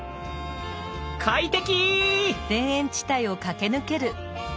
快適！